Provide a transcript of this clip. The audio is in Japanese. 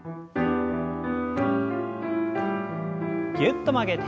ぎゅっと曲げて。